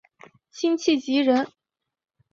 辛弃疾人。